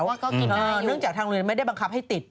ว่าก็กินได้เนื่องจากทางโรงเรียนไม่ได้บังคับให้ติด